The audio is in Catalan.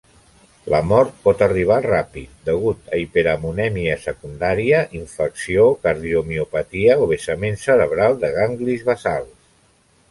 La mort pot arribar ràpid, degut a hiperamonèmia secundària, infecció, cardiomiopatia o vessament cerebral de ganglis basals.